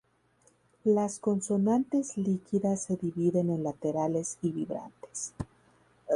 Las consonantes líquidas se dividen en "laterales" y "vibrantes".